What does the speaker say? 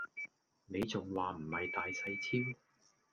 你仲話唔係大細超